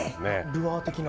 ルアー的な。